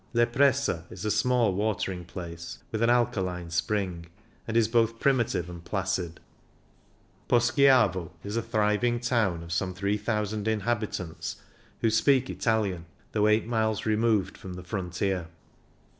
Le Prese is a small watering place, with an alkaline spring, and is both primitive and placid. Poschiavo is a thriving town of some three thousand inhabitants, who speak Italian, though eight miles removed from the frontier.